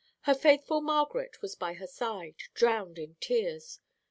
Her faithful Margaret was by her side, drowned in tears.